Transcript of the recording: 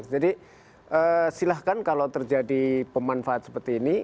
jadi silahkan kalau terjadi pemanfaat seperti ini